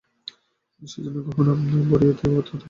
সেই জন্য গহনা বড়ি দেওয়ার জন্য অন্ততপক্ষে দু'জন লাগে।